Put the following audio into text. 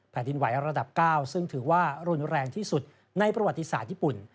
แผ่นดินไหวระดับ๙ซึ่งถือว่ารุนแรงที่สุดในประวัติศาสตร์ญี่ปุ่น